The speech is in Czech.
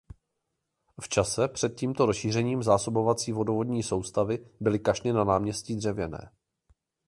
V čase před tímto rozšířením zásobovací vodovodní soustavy byly kašny na náměstí dřevěné.